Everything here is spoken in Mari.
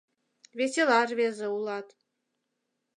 Весела рвезе улат.